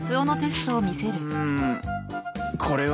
うーんこれは。